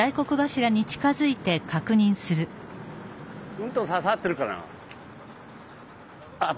うんと刺さってるかな。